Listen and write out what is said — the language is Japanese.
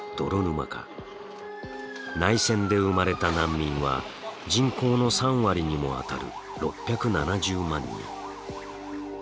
内戦で生まれた難民は人口の３割にもあたる６７０万人。